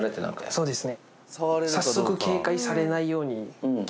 そうですね。